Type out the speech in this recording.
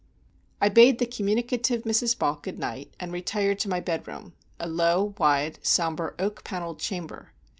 I bade the communicative Mrs. Balk good night and retired to my bedroom—a low, wide, sombre, oak panelled chamber.